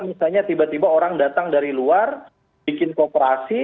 misalnya tiba tiba orang datang dari luar bikin kooperasi